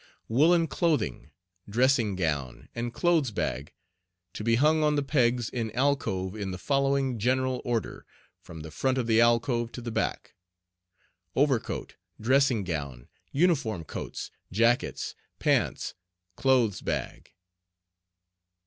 Woollen Clothing, Dressing Gown, and Clothes Bag To be hung on the pegs in alcove in the following general order, from the front of the alcove to the back: Over Coat, Dressing Gown, Uniform Coats, Jackets, Pants, Clothes Bag.